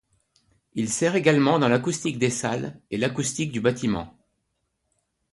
Il sert également dans l'acoustique des salles et l'acoustique du bâtiment.